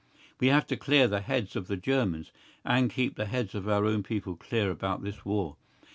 We have to clear the heads of the Germans, and keep the heads of our own people clear about this war.